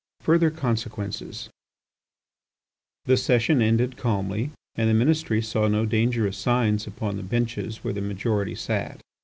FURTHER CONSEQUENCES The session ended calmly, and the Ministry saw no dangerous signs upon the benches where the majority sat.